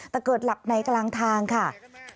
แต่เกิดหลับในกลางทางค่ะ